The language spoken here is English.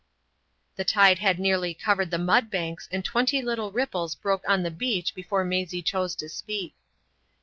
The tide had nearly covered the mud banks and twenty little ripples broke on the beach before Maisie chose to speak.